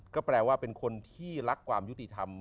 ก็แปลว่าเป็นคนที่รักความยุติธรรม